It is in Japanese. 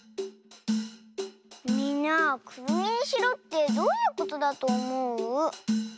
みんなくるみにしろってどういうことだとおもう？